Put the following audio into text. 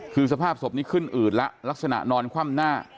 คือสภาพศพนี้ขึ้นอืดแล้วลักษณะนอนคว่ำหน้า